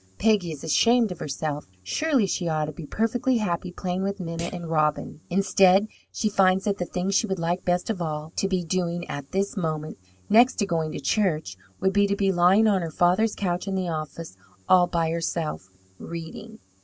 Peggy is ashamed of herself; surely she ought to be perfectly happy playing with Minna and Robin. Instead, she finds that the thing she would like best of all to be doing at this moment, next to going to church, would be to be lying on her father's couch in the office, all by herself, reading.